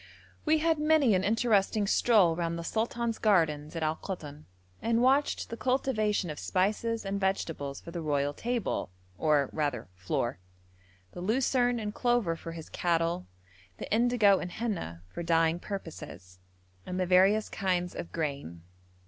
We had many an interesting stroll round the sultan's gardens at Al Koton, and watched the cultivation of spices and vegetables for the royal table, or rather floor; the lucerne and clover for his cattle, the indigo and henna for dyeing purposes, and the various kinds of grain.